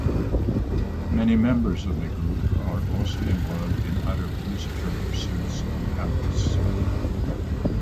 Many members of the group are also involved in other musical pursuits on campus.